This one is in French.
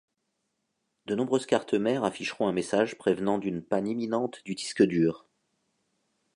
De nombreuses cartes mères afficheront un message prévenant d’une panne imminente du disque dur.